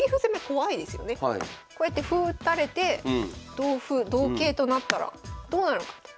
こうやって歩打たれて同歩同桂となったらどうなるかと。